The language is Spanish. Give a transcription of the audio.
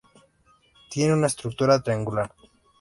Tiene una estructura triangular.